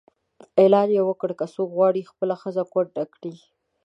اعلان یې وکړ چې که څوک غواړي خپله ښځه کونډه کړي.